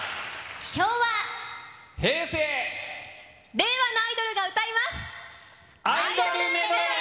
令和のアイドルが歌います。